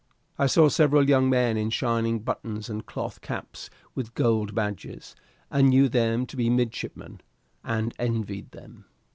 I saw several young men in shining buttons and cloth caps with gold badges, and knew them to be midshipmen, and envied them.